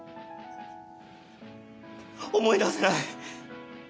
思い出せない！